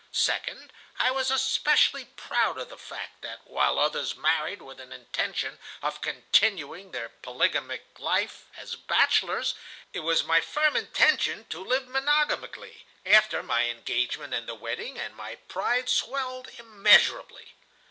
Second, I was especially proud of the fact that, while others married with an intention of continuing their polygamic life as bachelors, it was my firm intention to live monogamically after my engagement and the wedding, and my pride swelled immeasurably.